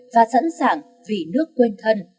và sẵn sàng vì nước quên thân